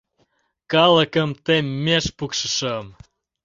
Калыкым теммеш пукшышым.